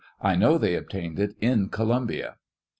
I know they obtained it in Columbia.